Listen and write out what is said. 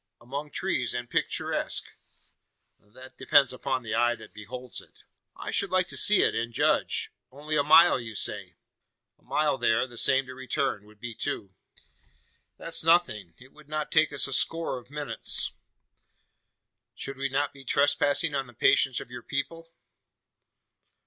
"Among trees, and picturesque?" "That depends upon the eye that beholds it." "I should like to see it, and judge. Only a mile you say?" "A mile there the same to return would be two." "That's nothing. It would not take us a score of minutes." "Should we not be trespassing on the patience of your people?"